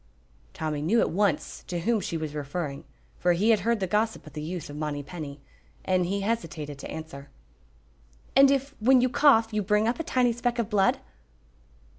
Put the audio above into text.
Tommy knew at once to whom she was referring, for he had heard the gossip of the youth of Monypenny, and he hesitated to answer. "And if, when you cough, you bring up a tiny speck of blood?"